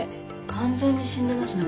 完全に死んでますね